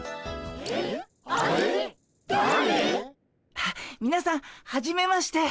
あっみなさんはじめまして。